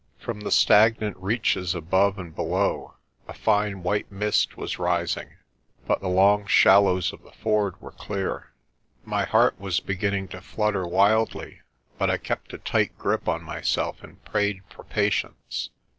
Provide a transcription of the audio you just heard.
From the stagnant reaches above and below a fine white mist was rising, but the long shallows of the ford were clear. My heart was beginning to flutter wildly, but I kept a tight grip on myself and prayed for patience.